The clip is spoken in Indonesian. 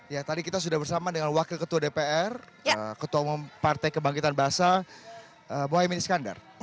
ya tadi kita sudah bersama dengan wakil ketua dpr ketua umum partai kebangkitan bahasa mohaimin iskandar